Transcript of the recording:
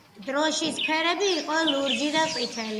დროშის ფერები იყო ლურჯი და ყვითელი.